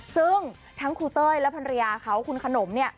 ซึ่งทั้งครูเต้ยแล้วคุณครูขนมบริเวณคุณเค้า